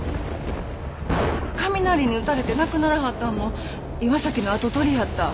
雷に打たれて亡くならはったんも岩崎の跡取りやった。